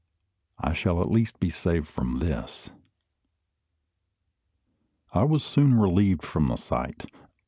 I shall at least be saved from this!" I was soon relieved from the sight.